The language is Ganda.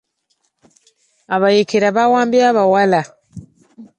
Abayeekera bawambye abawala.